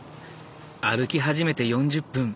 歩き始めて４０分。